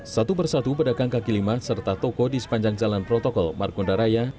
satu persatu pedagang kaki lima serta toko di sepanjang jalan protokol markunda raya